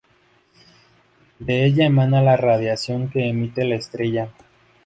De ella emana la radiación que emite la estrella.